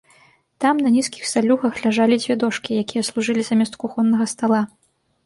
Там на нізкіх сталюгах ляжалі дзве дошкі, якія служылі замест кухоннага стала.